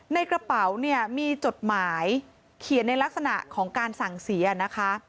ในกระเป๋าเนี่ยมีจดหมายเขียนในลักษณะของการสั่งเสียนะคะ